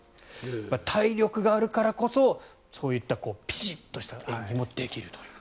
体力があるからこそそういったピシッとした演技もできるという。